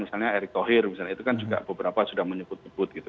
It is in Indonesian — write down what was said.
misalnya erick thohir misalnya itu kan juga beberapa sudah menyebut nyebut gitu